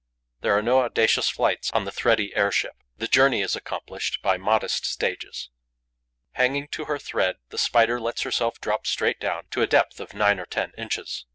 There are no audacious flights on the thready airship; the journey is accomplished by modest stages. Hanging to her thread, the Spider lets herself drop straight down, to a depth of nine or ten inches.